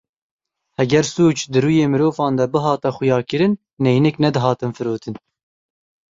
Heger sûc di rûyê mirovan de bihata xuyakirin, neynik nedihatin firotin.